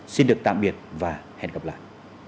xin được tạm biệt và hẹn gặp lại